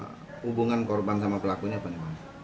hubungan korban sama pelakunya apa